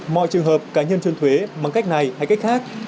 mọi trường hợp cá nhân trôn thuế bằng cách này hay cách khác